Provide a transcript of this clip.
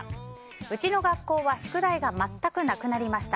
うちの学校は宿題が全くなくなりました。